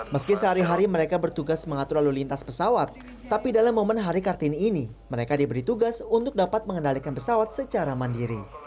meski sehari hari mereka bertugas mengatur lalu lintas pesawat tapi dalam momen hari kartini ini mereka diberi tugas untuk dapat mengendalikan pesawat secara mandiri